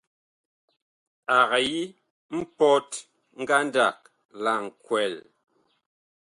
Ag yi mpɔt ngandag la nkwɛl.